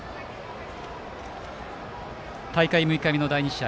大会６日目の第２試合